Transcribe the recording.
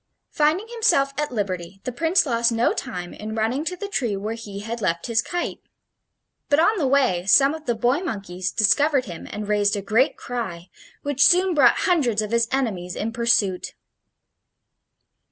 Finding himself at liberty, the Prince lost no time in running to the tree where he had left his kite. But on the way some of the boy monkeys discovered him and raised a great cry, which soon brought hundreds of his enemies in pursuit.